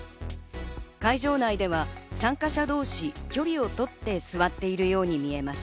会場内では参加者同士、距離をとって座っているように見えます。